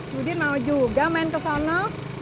kemudian mau juga main ke sana